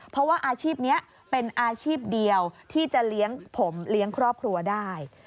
เพราะว่าอาชีพนี้เป็นอาชีพเดียวที่จะเลี้ยงผมเลี้ยงครอบครัวได้